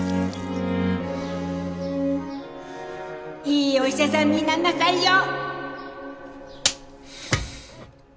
いいお医者さんになんなさいよ！